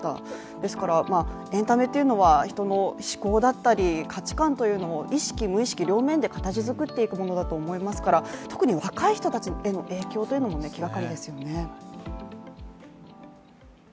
ですから、エンタメというのは人の嗜好だったり意識両面を形づくっていくものだと想いますから特に若い人たちへの影響というのも気がかりですね。